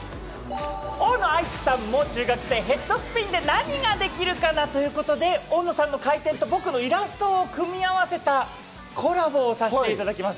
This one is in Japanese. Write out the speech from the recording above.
大野愛地さん、もう中学生、ヘッドスピンで何ができるかなということで、大野さんの回転と僕のイラストを組み合わせたコラボをさせていただきます。